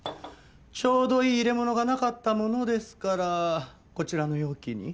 ちょうどいい入れ物がなかったものですからこちらの容器に。